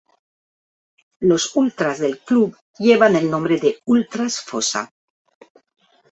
Los ultras del club llevan el nombre de "Ultras Fossa".